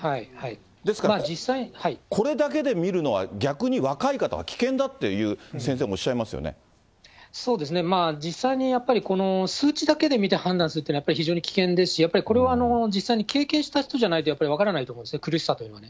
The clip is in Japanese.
ですから、これだけで見るのは、逆に若い方は危険だっていう先生もおっしゃそうですね、実際にやっぱり数値だけで見て判断するっていうのは、非常に危険ですし、これは実際に経験した人じゃないとやっぱり分からないと思いますね、苦しさというのは。